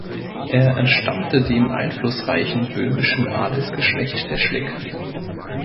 Er entstammte dem einflussreichen böhmischen Adelsgeschlecht der Schlick.